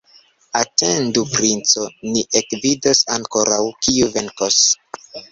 Atendu, princo, ni ekvidos ankoraŭ, kiu venkos!